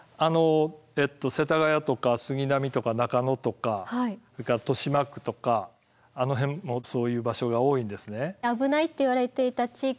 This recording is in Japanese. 世田谷とか杉並とか中野とかそれから豊島区とかあの辺もそういう場所が多いんですね。